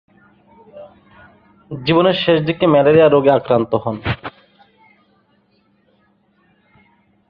জীবনের শেষদিকে ম্যালেরিয়া রোগে আক্রান্ত হন।